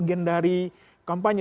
bagian dari kampanye